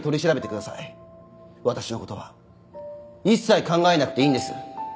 私の事は一切考えなくていいんです。